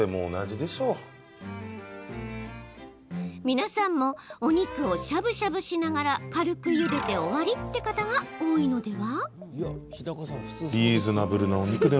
皆さんも、お肉をしゃぶしゃぶしながら軽くゆでて終わりって方が多いのでは？